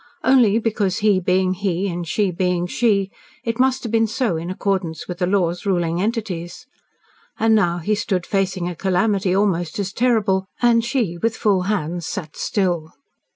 Only because, he being he, and she being she, it must have been so in accordance with the laws ruling entities. And now he stood facing a calamity almost as terrible and she with full hands sat still.